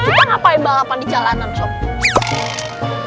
kita ngapain balapan di jalanan sob